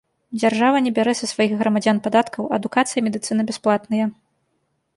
Дзяржава не бярэ са сваіх грамадзян падаткаў, адукацыя і медыцына бясплатныя.